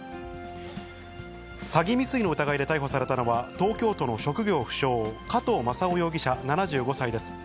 詐欺未遂の疑いで逮捕されたのは、東京都の職業不詳、加藤正夫容疑者７５歳です。